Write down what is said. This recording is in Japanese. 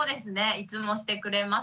いつもしてくれます。